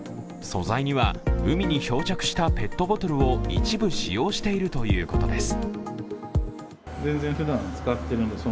素材には、海に漂着したペットボトルなどのゴミを一部使用しているということです。